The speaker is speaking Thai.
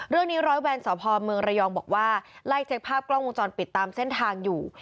เรื่องนี้ร้อยแบนสาวพอร์เมืองระยองบอกว่าไล่เจ็กภาพกล้องวงจรปิดตามเส้นทางอยู่